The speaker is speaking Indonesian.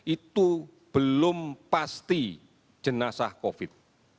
itu belum pasti jenazah covid